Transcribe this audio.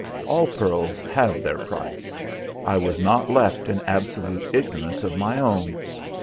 All pearls have their price. I was not left in absolute ignorance of my own.